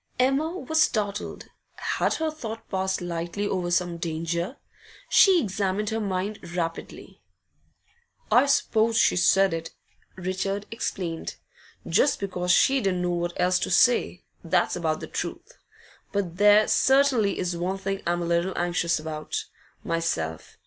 Emma was startled. Had her thought passed lightly over some danger? She examined her mind rapidly. 'I suppose she said it,' Richard explained, 'just because she didn't know what else to say, that's about the truth. But there certainly is one thing I'm a little anxious about, myself.